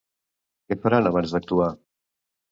Què faran abans d'actuar?